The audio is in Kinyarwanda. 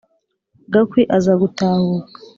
gakwi aza gutahuka.